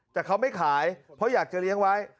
แต่เขาไม่ขายเพราะอยากจะเลี้ยงไว้